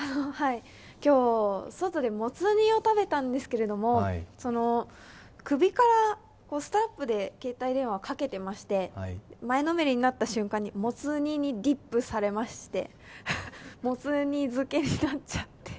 今日、外でもつ煮を食べたんですけれども首からストラップで携帯電話をかけていまして前のめりになった瞬間にもつ煮にディップされまして、もつ煮づけになっちゃって。